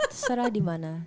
terserah di mana